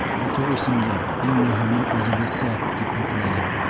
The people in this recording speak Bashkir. — Матур исемдәр, иң мөһиме — үҙебеҙсә, — тип йөпләнем.